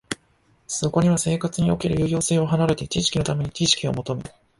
そこには生活における有用性を離れて、知識のために知識を求め、